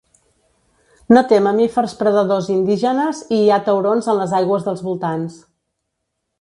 No té mamífers predadors indígenes i hi ha taurons en les aigües dels voltants.